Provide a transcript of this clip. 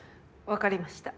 わかりました。